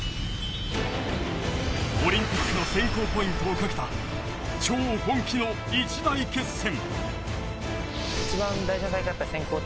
オリンピックの選考ポイントを懸けた超本気の一大決戦。